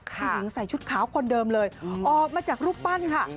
ผู้หญิงใส่ชุดขาวคนเดิมเลยออกมาจากรูปปั้นค่ะ